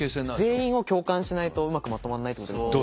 全員を共感しないとうまくまとまんないってことですもんね。